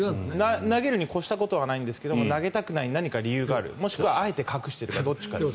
投げるに越したことはないんですが投げたくない何か理由があるもしくはあえて隠してるかどっちかですね。